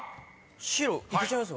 白いけちゃいますよ